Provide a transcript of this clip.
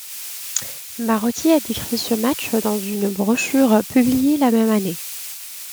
Marotti a décrit ce match dans une brochure publiée la même année.